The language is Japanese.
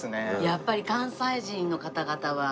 やっぱり関西人の方々は。